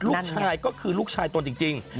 ลูกชายก็คือลูกชายตนจริง